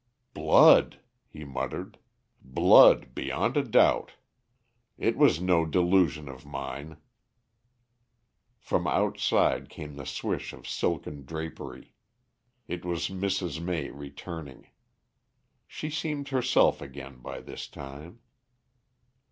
"Blood," he muttered, "blood beyond a doubt. It was no delusion of mine." From outside came the swish of silken drapery. It was Mrs. May returning. She seemed herself again by this time.